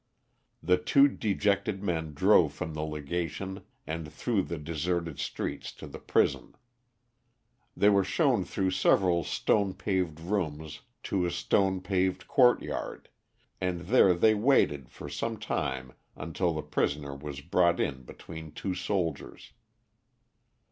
The two dejected men drove from the Legation and through the deserted streets to the prison. They were shown through several stone paved rooms to a stone paved courtyard, and there they waited for some time until the prisoner was brought in between two soldiers.